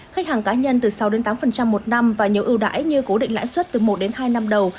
khách hàng cá nhân từ sáu tám một năm và nhiều ưu đãi như cố định lãi suất từ một đến hai năm đầu